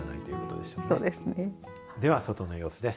では外の様子です。